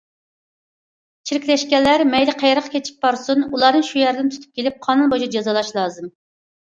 چىرىكلەشكەنلەر مەيلى قەيەرگە قېچىپ بارسۇن، ئۇلارنى شۇ يەردىن تۇتۇپ كېلىپ قانۇن بويىچە جازالاش لازىم.